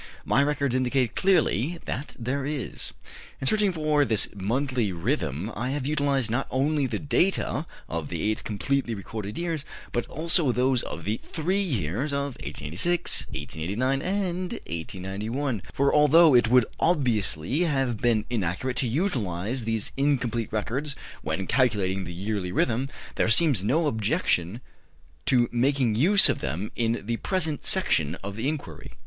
My records indicate clearly that there is. In searching for this monthly rhythm I have utilized not only the data of the eight completely recorded years, but also those of the three years of 1886, 1889, and 1891, for, although it would obviously have been inaccurate to utilize these incomplete records when calculating the yearly rhythm, there seems no objection to making use of them in the present section of the inquiry.